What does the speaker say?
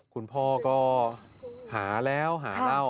คุณพ่อก็หาแล้วหาเหล้า